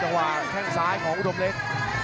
จังหวะแข่งซ้ายของอุธมเลค